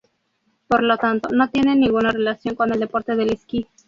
Por lo tanto, no tiene ninguna relación con el deporte del esquí.